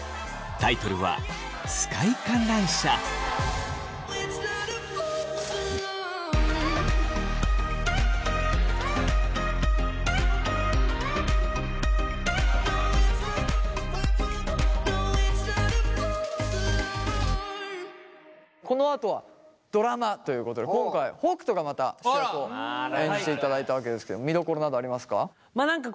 タイトルはこのあとはドラマということで今回北斗がまた主役を演じていただいたわけですけど見どころなどありますか？